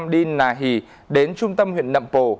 đi nà hì đến trung tâm huyện nậm pồ